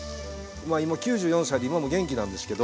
今９４歳で今も元気なんですけど。